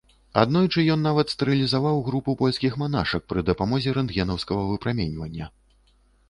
Аднойчы ён нават стэрылізаваў групу польскіх манашак пры дапамозе рэнтгенаўскага выпраменьвання.